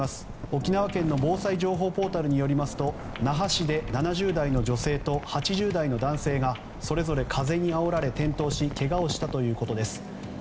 沖縄県の防災情報ポータルによりますと那覇市で７０代の女性と８０代の男性がそれぞれ風にあおられて転倒しけがをしたということです。